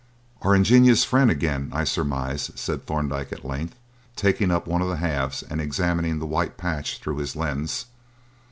"Our ingenious friend again, I surmise," said Thorndyke at length, taking up one of the halves and examining the white patch through his lens.